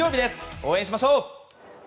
応援しましょう！